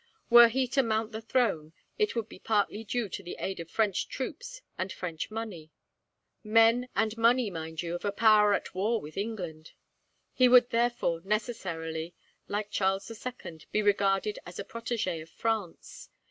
Were he to mount the throne, it would be partly due to the aid of French troops and French money men and money, mind you, of a power at war with England! He would therefore, necessarily, like Charles the Second, be regarded as a protege of France.